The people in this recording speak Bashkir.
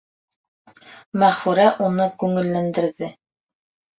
Мәғфүрә уны күңелләндерҙе.